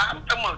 ở đoàn công ơn